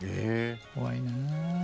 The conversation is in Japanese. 怖いなぁ。